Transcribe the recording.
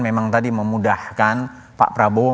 memang tadi memudahkan pak prabowo